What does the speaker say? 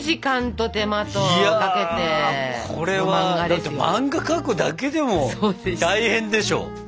だって漫画描くだけでも大変でしょ。